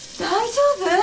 大丈夫？